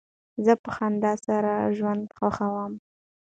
زه په خندا سره ژوند خوښوم.